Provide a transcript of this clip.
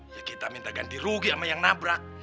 ya kita minta ganti rugi sama yang nabrak